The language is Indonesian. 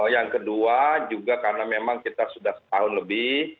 yang kedua juga karena memang kita sudah setahun lebih